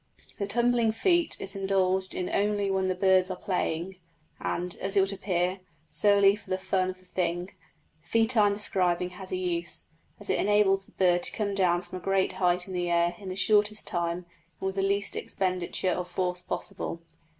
The tumbling feat is indulged in only when the birds are playing, and, as it would appear, solely for the fun of the thing; the feat I am describing has a use, as it enables the bird to come down from a great height in the air in the shortest time and with the least expenditure of force possible.